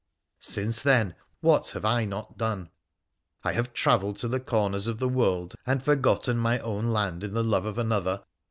Since then, what have I not done ! I have travelled to the corners of the world, and forgotten my own land in the love of another.